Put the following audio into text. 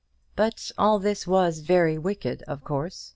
But all this was very wicked, of course.